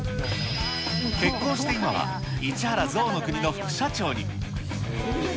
結婚して今は、市原ぞうの国の副社長に。